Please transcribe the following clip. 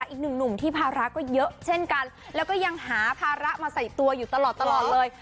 อีกหนึ่งหนุ่มที่ภาระก็เยอะเช่นกันแล้วก็ยังหาภาระมาใส่ตัวอยู่ตลอดตลอดเลย